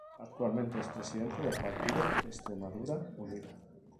Actualmente es presidente del partido Extremadura Unida.